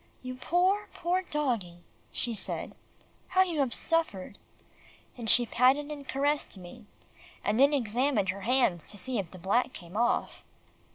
"You poor, poor doggie," she said, "how you have suffered," and she patted and caressed me, and then examined her hands to see if the black came off.